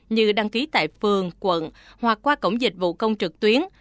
như đăng ký tại phường quận hoặc qua cổng dịch vụ công trực tuyến